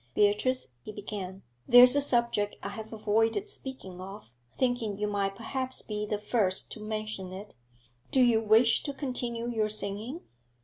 'Beatrice,' he began, 'there's a subject I have avoided speaking of, thinking you might perhaps be the first to mention it. Do you wish to continue your singing?'